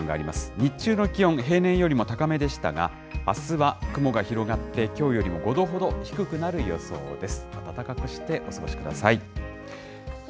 日中の気温、平年よりも高めでしたが、あすは雲が広がって、きょうよりも５度ほど低くなる予想です。